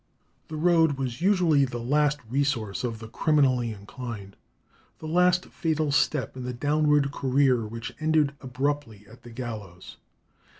The road was usually the last resource of the criminally inclined, the last fatal step in the downward career which ended abruptly at the gallows.